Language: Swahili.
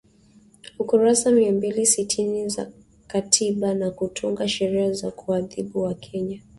kurasa mia mbili sitini za katiba na kutunga sheria za kuwaadhibu wakenya